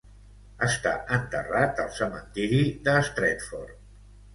Està enterrat al cementiri de Stretford.